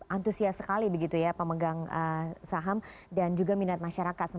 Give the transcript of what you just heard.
antusias sekali begitu ya pemegang saham dan juga minat masyarakat